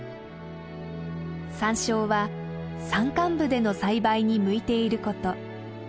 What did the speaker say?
サンショウは山間部での栽培に向いていること。